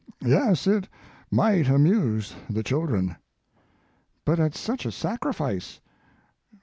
Yes, it might amuse the children. " But at such a sacrifice.